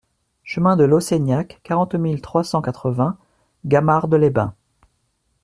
Chemin de Lausseignac, quarante mille trois cent quatre-vingts Gamarde-les-Bains